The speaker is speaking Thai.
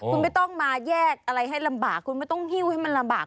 คุณไม่ต้องมาแยกอะไรให้ลำบากคุณไม่ต้องหิ้วให้มันลำบาก